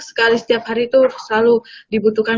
sekali setiap hari itu selalu dibutuhkan